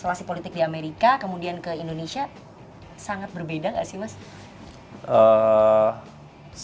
situasi politik di amerika kemudian ke indonesia sangat berbeda nggak sih mas